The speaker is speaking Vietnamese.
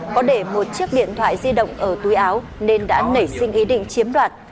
có để một chiếc điện thoại di động ở túi áo nên đã nảy sinh ý định chiếm đoạt